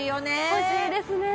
欲しいですね